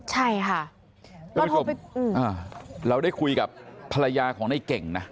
ใช่ค่ะเราได้คุยกับภรรยาของนายเก่งนะ